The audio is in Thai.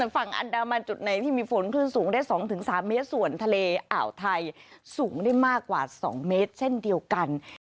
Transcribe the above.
ฝั่งอันดามันจุดไหนที่มีฝนคลื่นสูงได้๒๓เมตรส่วนทะเลอ่าวไทยสูงได้มากกว่า๒เมตรเช่นเดียวกัน